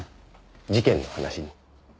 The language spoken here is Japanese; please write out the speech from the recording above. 事件の話に。